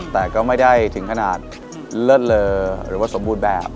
แต่ก็ไม่ได้ถึงขนาดเลิศเลอหรือว่าสมบูรณ์แบบ